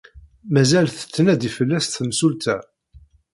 Mazal tettnadi fell-as temsulta.